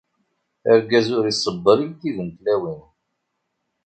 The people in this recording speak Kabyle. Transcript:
Argaz ur iṣebber i lkid n tlawin.